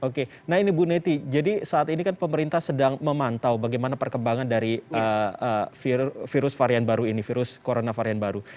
oke nah ini bu neti jadi saat ini kan pemerintah sedang memantau bagaimana perkembangan dari virus varian baru ini virus corona varian baru